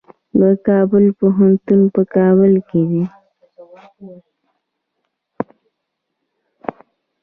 د کابل پوهنتون په کابل کې دی